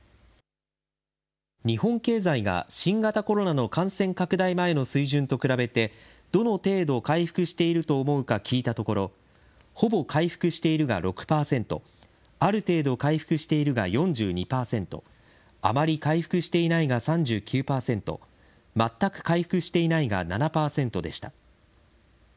日本経済が、新型コロナの感染拡大前の水準と比べて、どの程度回復していると思うか聞いたところ、ほぼ回復しているが６％、ある程度回復しているが４２％、あまり回復していないが３９％、まったく回復していないが７％でした。